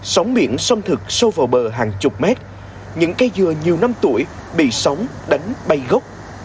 sóng biển xâm thực sâu vào bờ hàng chục mét những cây dừa nhiều năm tuổi bị sóng đánh bay gốc